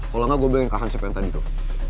kalau gak gue belengkahan si pm tadi tuh